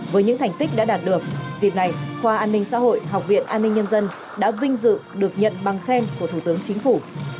với những thành tích đã đạt được dịp này khoa an ninh xã hội học viện an ninh nhân dân đã vinh dự được nhận bằng khen của thủ tướng chính phủ